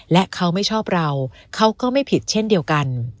และเขาไม่ชอบเราเขาก็ไม่ผิดเช่นเดียวกัน